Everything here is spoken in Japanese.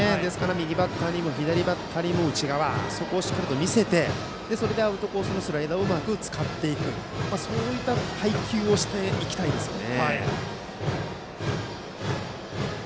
右バッターにも左バッターにも内側を見せてそれでアウトコースのスライダーをうまく使っていくそういった配球をしていきたいですよね。